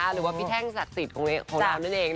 หรือว่าพี่แท่งศักดิ์สิทธิ์ของเรานั่นเอง